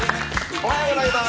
おはようございます。